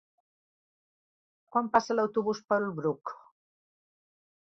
Quan passa l'autobús per el Bruc?